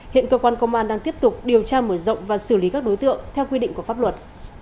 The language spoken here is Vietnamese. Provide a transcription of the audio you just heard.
hiện cơ quan công an đang tiếp tục điều tra mở rộng và xử lý các đối tượng theo quy định của pháp luật